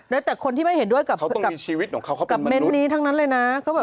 แล้วแต่คนที่ไม่เห็นด้วยกับเมนต์นี้ทั้งนั้นเลยนะ